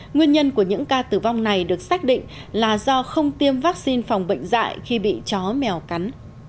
nguyên nhân của những ca tử vong này được xác định là do không tiêm vaccine phòng bệnh dạy khi bị chó mèo cắn